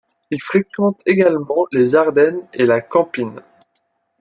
Il fréquente également les Ardennes et la Campine.